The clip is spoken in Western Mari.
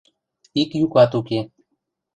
Ик юкат уке.